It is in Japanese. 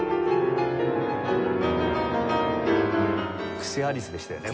クセアリスでしたよね